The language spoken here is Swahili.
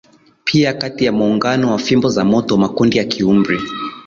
Pia kati ya muungano wa fimbo za moto makundi ya kiumri